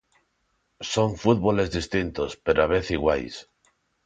Son fútboles distintos, pero á vez iguais.